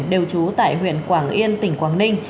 đều trú tại huyện quảng yên tỉnh quảng ninh